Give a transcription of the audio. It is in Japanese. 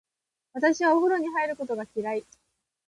私はお風呂に入ることが嫌い。